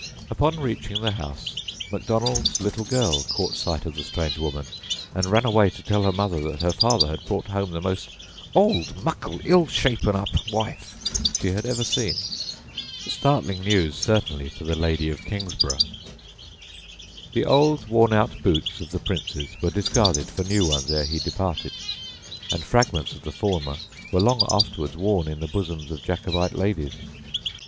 Upon reaching the house, Macdonald's little girl caught sight of the strange woman, and ran away to tell her mother that her father had brought home "the most old, muckle, ill shapen up wife" she had ever seen. Startling news certainly for the lady of Kingsburgh! The old worn out boots of the Prince's were discarded for new ones ere he departed, and fragments of the former were long afterwards worn in the bosoms of Jacobite ladies.